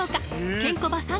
ケンコバさん